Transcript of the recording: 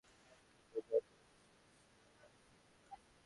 এই আনন্দের মাধুর্য তাহার এত কাছে উচ্ছ্বসিত হইতেছে অথচ সে ইহা হইতে এত দূরে।